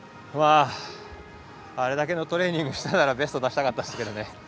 あれだけのトレーニングしてたら、ベスト出したかったですけどね。